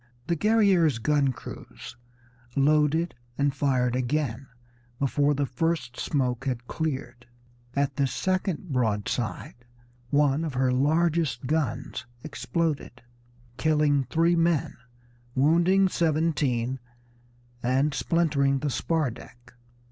The Guerrière's gun crews loaded and fired again before the first smoke had cleared; at this second broadside one of her largest guns exploded, killing three men, wounding seventeen, and splintering the spar deck.